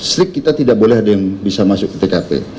strik kita tidak boleh ada yang bisa masuk ke tkp